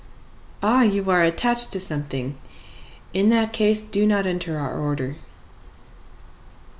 "Ah, you are attached to something! In that case, do not enter our order!"